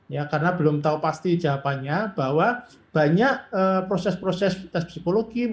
ya karena belum tahu pasti jawabannya bahwa banyak proses proses tes psikologi